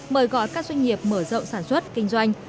mời gọi các doanh nghiệp mở rộng sản xuất kinh doanh